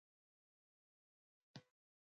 ټول خلک باید په یو وخت له اطاعت لاس واخلي.